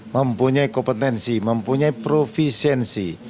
mempunyai kompetensi mempunyai provisiensi